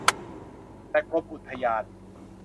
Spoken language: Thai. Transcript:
แต่กรมอุทยาน